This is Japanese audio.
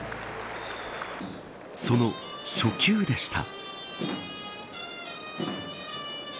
その初球でした。